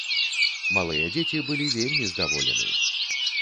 Малыя дзеці былі вельмі здаволены.